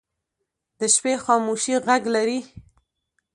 د شپې خاموشي غږ لري